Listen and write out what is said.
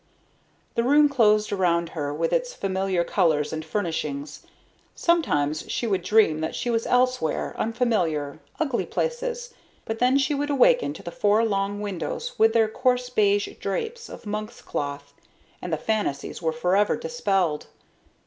The room closed around her with its familiar colors and furnishings. Sometimes she would dream that she was elsewhere, unfamiliar, ugly places, but then she would awaken to the four long windows with their coarse beige drapes of monk's cloth and the fantasies were forever dispelled.